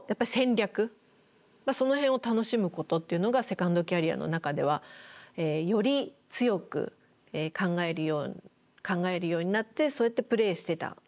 その辺を楽しむことっていうのがセカンドキャリアの中ではより強く考えるようになってそうやってプレーしてた。